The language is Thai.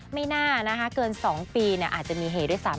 ไม่น่านะคะเกิน๒ปีอาจจะมีเหตุด้วยซ้ำ